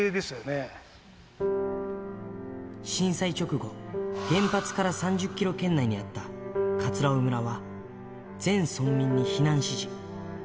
震災直後、原発から３０キロ圏内にあった葛尾村は、全村民に避難指示。